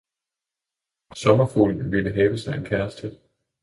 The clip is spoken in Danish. Sommerfuglen ville have sig en kæreste.